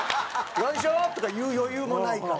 「よいしょ！」とか言う余裕もないから。